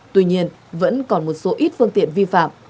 tuy nhiên vẫn còn một số ít phương tiện vi phạm